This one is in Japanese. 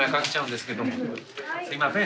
すみません